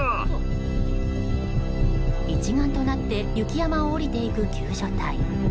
一丸となって雪山を下りていく救助隊。